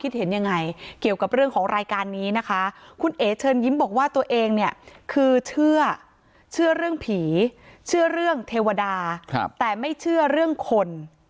เชิญยิ้มบอกว่าตัวเองคือเชื่อเรื่องผีเชื่อเรื่องเทวดาแต่ไม่เชื่อเรื่องคน